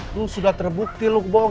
lo sudah terbukti lo kebohong